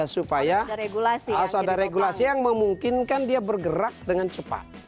supaya harus ada regulasi yang memungkinkan dia bergerak dengan cepat